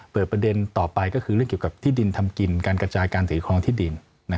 ประเด็นต่อไปก็คือเรื่องเกี่ยวกับที่ดินทำกินการกระจายการถือครองที่ดิน